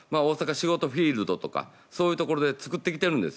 しごとフィールドとかそういうところで作ってきているんです。